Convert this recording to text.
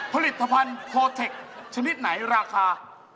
ผลิตภัณฑ์โพเทคชนิดไหนราคา